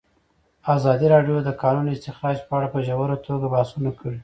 ازادي راډیو د د کانونو استخراج په اړه په ژوره توګه بحثونه کړي.